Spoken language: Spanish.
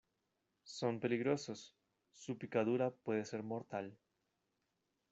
son peligrosos. su picadura puede ser mortal .